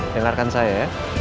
dengarkan saya ya